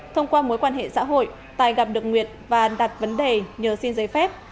thông qua mối quan hệ xã hội tài gặp được nguyệt và đặt vấn đề nhờ xin giấy phép